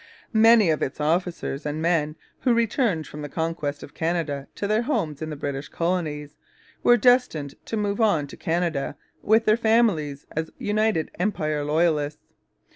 Many of its officers and men who returned from the conquest of Canada to their homes in the British colonies were destined to move on to Canada with their families as United Empire Loyalists.